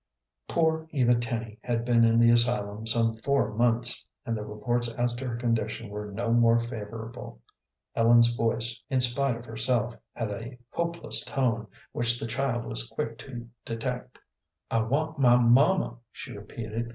Poor Eva Tenny had been in the asylum some four months, and the reports as to her condition were no more favorable. Ellen's voice, in spite of herself, had a hopeless tone, which the child was quick to detect. "I want my mamma," she repeated.